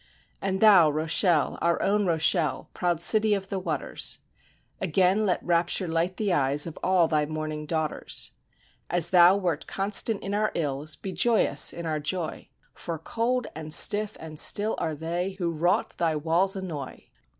And thou, Rochelle, our own Rochelle, proud city of the waters, Again let rapture light the eyes of all thy mourning daughters. As thou w^ert constant in our ills, be joyous in our joy, For cold, and stiff, and still are they who wrought thy walls annoy.